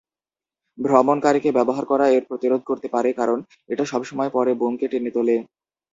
ভ্রমণকারীকে ব্যবহার করা এর প্রতিরোধ করতে পারে কারণ এটা সবসময় পরে বুমকে টেনে তোলে।